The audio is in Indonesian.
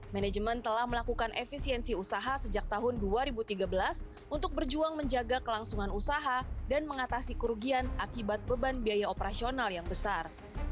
manajemen telah melakukan efisiensi usaha sejak tahun dua ribu tiga belas untuk berjuang menjaga kelangsungan usaha dan mengatasi kerugian akibat beban biaya operasional yang besar